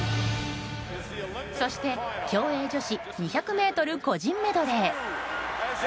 そして競泳女子２００ｍ個人メドレー。